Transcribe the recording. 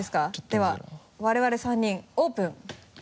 では我々３人オープン。